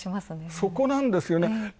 そこなんですよね。